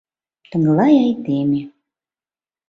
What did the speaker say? «Тыглай айдеме...